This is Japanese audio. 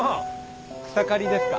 草刈りですか？